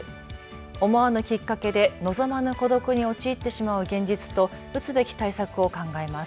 思わぬきっかけで望まぬ孤独に陥ってしまう現実と打つべき対策を考えます。